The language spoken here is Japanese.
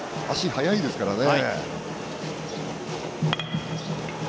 速いですからね。